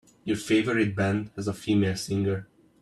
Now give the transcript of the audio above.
Your favorite band has a female singer.